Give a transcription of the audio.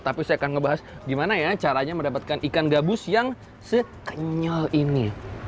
tapi saya akan membahas bagaimana caranya mendapatkan ikan gabus yang sekenyol ini